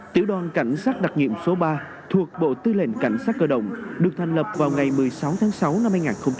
tiểu đoàn cảnh sát đặc nhiệm số ba thuộc bộ tư lệnh cảnh sát cơ động được thành lập vào ngày một mươi sáu tháng sáu năm hai nghìn hai mươi ba